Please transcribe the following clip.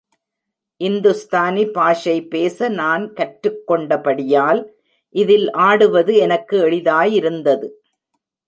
இந்துஸ்தானி பாஷை பேச நான் கற்றுக்கொண்டபடியால், இதில் ஆடுவது எனக்கு எளிதாயிருந்தது.